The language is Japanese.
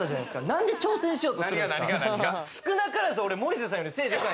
何で挑戦しようとするんですか？